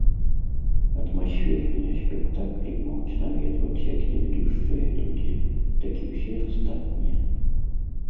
Атмасферныя спектаклі могуць наведваць як невідушчыя людзі, так і ўсе астатнія.